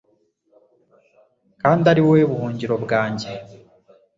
kandi ari wowe buhungiro bwanjye